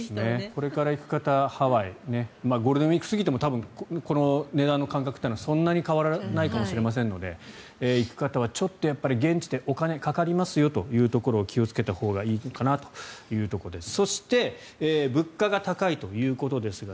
これからハワイへ行く方ゴールデンウィーク過ぎてもこの値段の感覚はそんなに変わらないかもしれませんので行く方は現地でお金かかりますよというところを気をつけたほうがいいかなというところです。